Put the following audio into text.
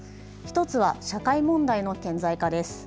１つは社会問題の顕在化です。